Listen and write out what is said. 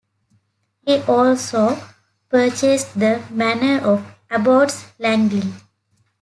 He also purchased the manor of Abbots Langley.